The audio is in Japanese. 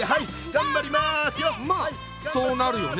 まそうなるよね。